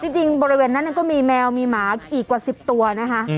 จริงบริเวณนั้นก็มีแมวมีหมาอีกกว่า๑๐ตัวนะคะ